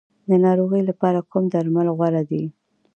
د ناروغۍ لپاره کوم درمل غوره دي؟